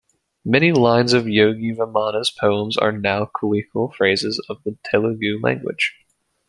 Many lines of yogi Vemana's poems are now colloquial phrases of the Telugu language.